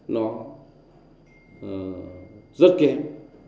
nó rất kém